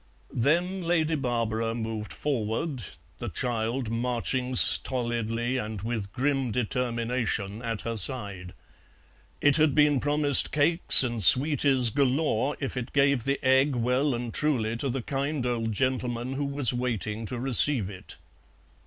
Then Lady Barbara moved forward, the child marching stolidly and with grim determination at her side. It had been promised cakes and sweeties galore if it gave the egg well and truly to the kind old gentleman who was waiting to receive it.